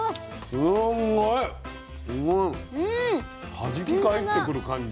すごい！はじき返してくる感じ。